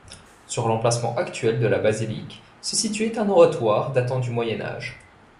Sur l'emplacement actuel de la basilique, se situait un oratoire datant du Moyen Âge.